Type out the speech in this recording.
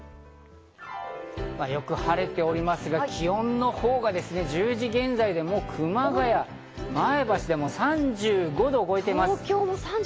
よく晴れておりますが、気温が１０時現在で、もう熊谷、前橋で３５度を超えています。